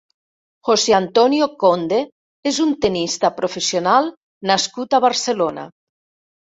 José Antonio Conde és un tennista professional nascut a Barcelona.